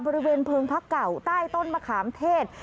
เพิงพักเก่าใต้ต้นมะขามเทศ